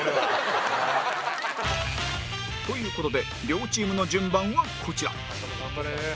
という事で両チームの順番はこちら